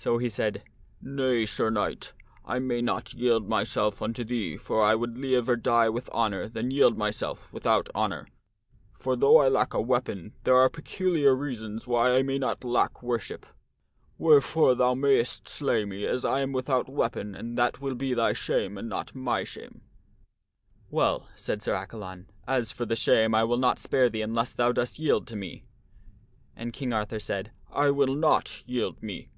So he said, " Nay, Sir Knight, I may not yield myself unto thee for I would liever die with honor than yield myself without honor. For though I lack a weapon, there are peculiar reasons why I may not lack I9 6 THE STORY OF MERLIN worship. Wherefore thou mayst slay me as I am without weapon and that will be thy shame and not my shame." " Well," said Sir Accalon, " as for the shame I will not spare thee unless thou dost yield to me." And King Arthur said, "I will not yield me."